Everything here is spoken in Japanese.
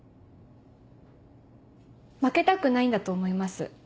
負けたくないんだと思います